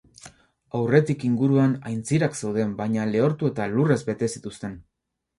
Aurretik inguruan aintzirak zeuden baina lehortu eta lurrez bete zituzten.